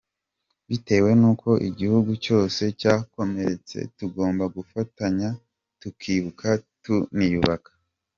bitewe n’uko igihugu cyose cyakomeretse tugomba gufatanya tukibuka tuniyubaka.